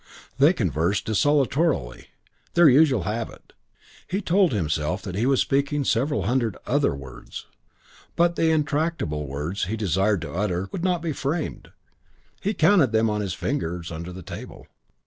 They conversed desultorily; in their usual habit. He told himself that he was speaking several hundred "other" words; but the intractable words that he desired to utter would not be framed. He counted them on his fingers under the table.